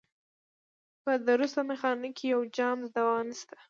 په درسته مېخانه کي یو جام د دوا نسته